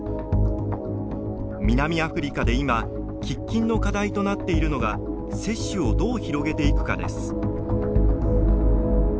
南アフリカで今喫緊の課題となっているのが接種をどう広げていくかです。